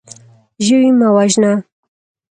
ژوی مه وژنه.